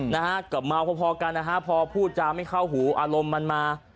และเหมาพอกันพอพูดจะไม่เข้าหูอารมณ์มันมา